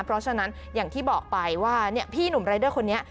เพราะฉะนั้นอย่างที่บอกไปว่าพี่หนุ่มรายเดอร์คนนี้